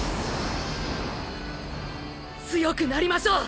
強くなりましょう！！